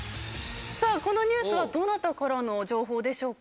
このニュースはどなたからの情報でしょうか？